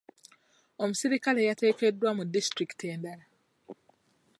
Omuserikale yateekeddwa mu disitulikiti endala.